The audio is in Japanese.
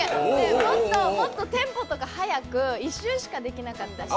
もっとテンポとか速く、１周しかできなかったし。